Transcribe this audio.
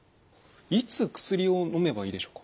いつ薬をのめばいいでしょうか？